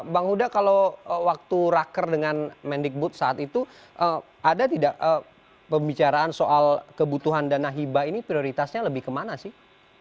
bang huda kalau waktu raker dengan mendikbud saat itu ada tidak pembicaraan soal kebutuhan dana hibah ini prioritasnya lebih kemana sih